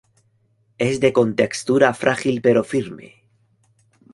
Es de contextura frágil pero firme.